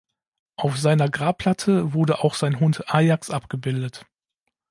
Auf seiner Grabplatte wurde auch sein Hund Ajax abgebildet.